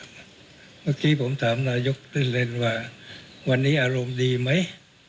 เมื่อกี้ผมถามนายกเล่นว่าวันนี้อารมณ์ดีไหม